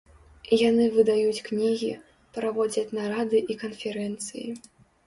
Яны выдаюць кнігі, праводзяць нарады і канферэнцыі.